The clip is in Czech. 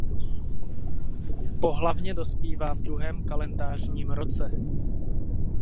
Pohlavně dospívá v druhém kalendářním roce.